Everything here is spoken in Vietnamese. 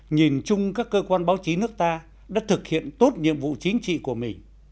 nhìn chung các cơ quan báo chí nước ta đã thực hiện tốt nhiệm vụ chính trị của mình